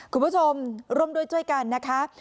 คุณผู้ชมร่วมด้วยช่วยกันนะคะ